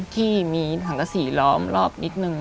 ที่มีสังกษีล้อมรอบนิดนึง